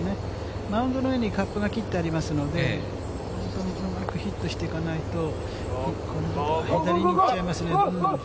マウンドの上にカップが切ってありますので、本当にうまくヒットしていかないと、左に行っちゃいますね。